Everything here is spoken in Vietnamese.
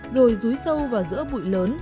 rồi rúi sâu vào giữa bụi lớn